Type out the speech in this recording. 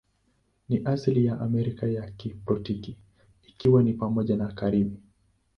Ni asili ya Amerika ya kitropiki, ikiwa ni pamoja na Karibi.